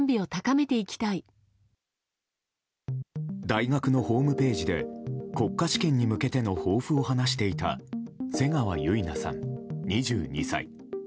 大学のホームページで国家試験に向けての抱負を話していた瀬川結菜さん、２２歳。